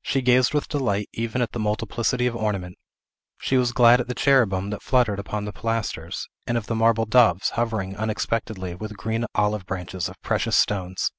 She gazed with delight even at the multiplicity of ornament. She was glad at the cherubim that fluttered upon the pilasters, and of the marble doves, hovering unexpectedly, with green olive branches of precious stones.